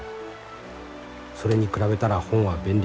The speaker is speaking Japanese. それに比べたら本は便利すぎる。